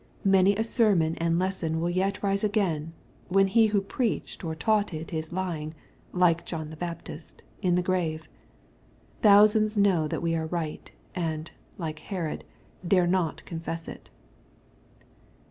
Many a sermon and lesson will yet rise again, when he who preached or taught it is lying, like John the Baptist, in the grave. Thousands know that we are right, and, like Herod, dare not confess it.